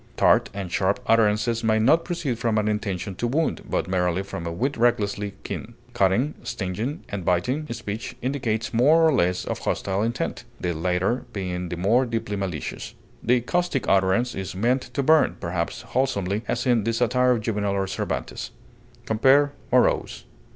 Tart and sharp utterances may not proceed from an intention to wound, but merely from a wit recklessly keen; cutting, stinging, and biting speech indicates more or less of hostile intent, the latter being the more deeply malicious. The caustic utterance is meant to burn, perhaps wholesomely, as in the satire of Juvenal or Cervantes. Compare MOROSE.